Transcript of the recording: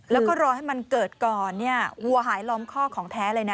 แล้วก็รอให้มันเกิดก่อนเนี่ยวัวหายล้อมข้อของแท้เลยนะ